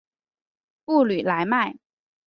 布吕莱迈。